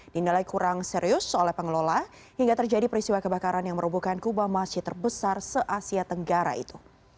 dinilai kurang serius oleh pengelola hingga terjadi peristiwa kebakaran yang merobohkan kubah masjid terbesar se asia tenggara itu